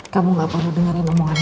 kamu gak perlu dengerin omongannya